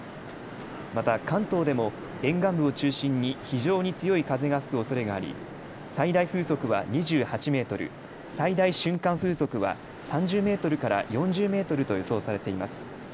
また関東でも沿岸部を中心に非常に強い風が吹くおそれがあり最大風速は２８メートル、最大瞬間風速は３０メートルから４０メートルと予想されています。